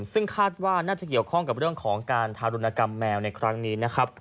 ซึ่งคาดว่าน่าจะเกี่ยวข้องกับเรื่องของการทารุณกรรมแมวในครั้งนี้นะครับ